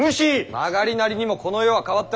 曲がりなりにもこの世は変わった。